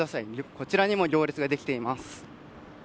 こちらにも行列ができています。